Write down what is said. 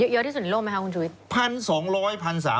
เยอะที่สุดในโลกไหมคะคุณชุวิต